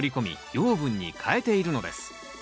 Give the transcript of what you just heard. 養分に変えているのです。